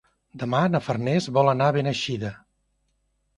Demà na Farners vol anar a Beneixida.